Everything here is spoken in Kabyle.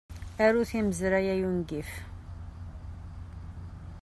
Aru timezray, ay ungif!